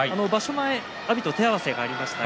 前、阿炎と手合わせがありました。